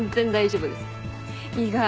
意外。